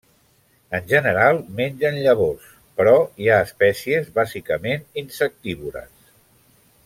En general mengen llavors, però hi ha espècies bàsicament insectívores.